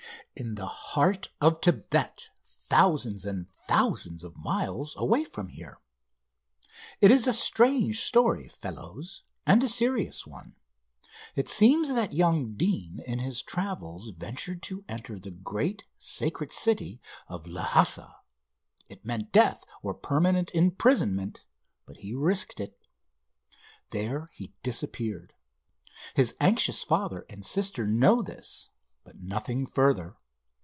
"In the heart of Thibet, thousands and thousands of miles away from here. It is a strange story, fellows, and a serious one. It seems that young Deane in his travels ventured to enter the great sacred city of Lhassa. It meant death or permanent imprisonment, but he risked it. There he disappeared. His anxious father and sister know this, but nothing further.